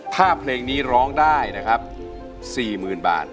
ถ้าเพลงนี้ร้องได้นะครับ๔๐๐๐บาท